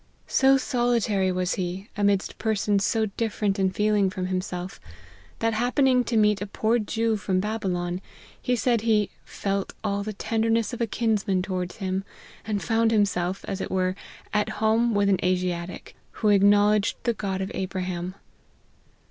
So solitary was he, amidst persons so different in feeling from himself, that happening to meet a poor Jew from Babylon, he said he " felt all the tender ness of a kinsman towards him, and found himself, as it were, at home with an Asiatic, who acknow ledged the God of Abraham."